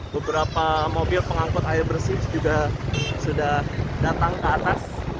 beberapa mobil pengangkut air bersih juga sudah datang ke atas